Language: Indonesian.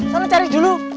salah cari dulu